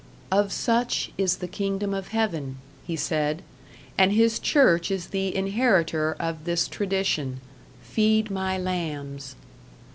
"Of such is the Kingdom of Heaven", He said; and His Church is the inheritor of this tradition "feed my lambs".